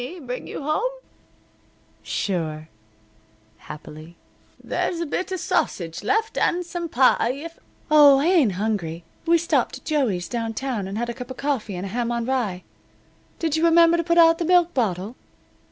"Heiny bring you home?" "Sure," happily. "There's a bit of sausage left, and some pie if " "Oh, I ain't hungry. We stopped at Joey's downtown and had a cup of coffee and a ham on rye. Did you remember to put out the milk bottle?"